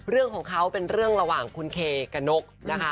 เรื่องของเขาเป็นเรื่องระหว่างคุณเคกับนกนะคะ